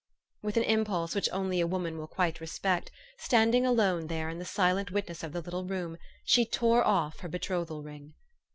With an impulse which only a woman will quite respect, standing alone there in the silent witness of the little room, she tore off her betrothal ring.